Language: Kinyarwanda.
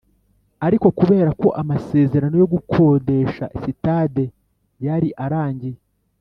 ariko kubera ko amasezerano yo gukodesha sitade yari arangiye